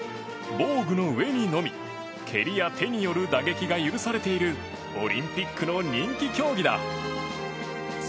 防具の上にのみ蹴りや手による打撃が許されているオリンピックの人気競技だ。